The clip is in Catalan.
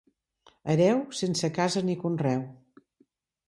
Hereu sense casa ni conreu.